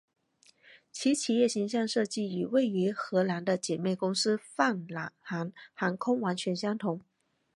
其企业形象设计与位于荷兰的姊妹公司泛航航空完全相同。